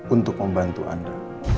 untuk membantu anda